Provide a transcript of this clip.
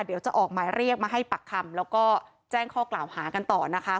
เดี๋ยวจะออกหมายเรียกมาให้ปากคำแล้วก็แจ้งข้อกล่าวหากันต่อนะคะ